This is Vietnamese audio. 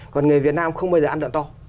còn người việt nam không bao giờ ăn được to